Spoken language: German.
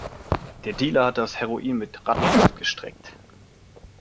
Der Dealer hat das Heroin mit Rattengift gestreckt.